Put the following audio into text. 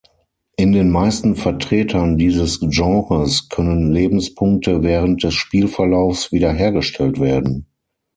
In den meisten Vertretern dieses Genres können Lebenspunkte während des Spielverlaufs wiederhergestellt werden.